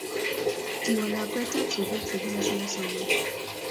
Kiwoo lakwetab sugul sugul asigosoman